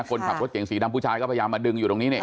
คนขับรถเก่งสีดำผู้ชายก็พยายามมาดึงอยู่ตรงนี้เนี่ย